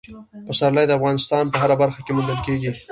پسرلی د افغانستان په هره برخه کې موندل کېږي.